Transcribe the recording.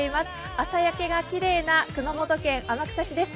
朝焼けがきれいな熊本県天草市です。